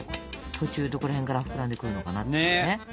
途中どこら辺から膨らんでくるのかなって。ね。